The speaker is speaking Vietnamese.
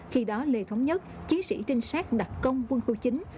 khi đó lê thống nhất chiến sĩ trinh sát đặc công quân khu chính